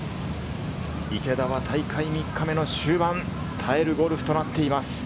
池田は大会３日目の終盤、耐えるゴルフとなっています。